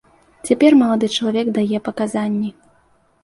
Цяпер малады чалавек дае паказанні.